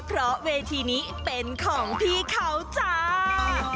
เพราะเวทีนี้เป็นของพี่เขาจ้า